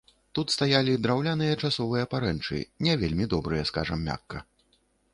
Тут стаялі драўляныя часовыя парэнчы, не вельмі добрыя, скажам мякка.